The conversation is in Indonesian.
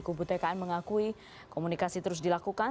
kubu tkn mengakui komunikasi terus dilakukan